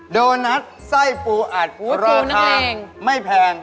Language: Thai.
โดนัทไส้ปูอัดราคาไม่แพง